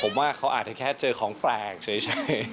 ผมว่าเขาอาจจะแค่เจอของแปลกเฉย